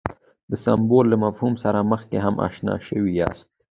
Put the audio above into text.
د سمبول له مفهوم سره مخکې هم اشنا شوي یاست.